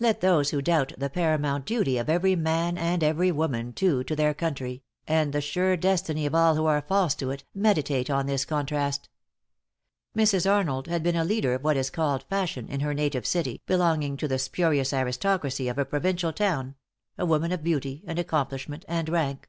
Let those who doubt the paramount duty of every man and every woman, too, to their country, and the sure destiny of all who are false to it, meditate on this contrast. Mrs. Arnold had been a leader of what is called fashion, in her native city, belonging to the spurious aristocracy of a provincial town a woman of beauty and accomplishment and rank.